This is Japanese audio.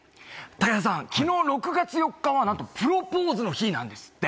武田さん、きのう６月４日は、なんとプロポーズの日なんですって。